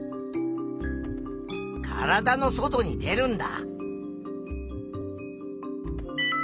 体の外に出るんだ。